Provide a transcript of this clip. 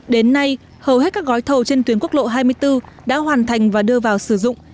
đến nay hầu hết các gói thầu trên tuyến quốc lộ hai mươi bốn đã hoàn thành và đưa vào sử dụng